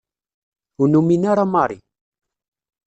Ur numin ara Mary.